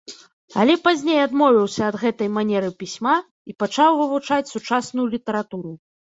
Але пазней адмовіўся ад гэтай манеры пісьма і пачаў вывучаць сучасную літаратуру.